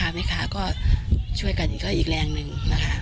และมีพวกการไหมคะก็ช่วยกันอีกแค่แรงนึงนะคะ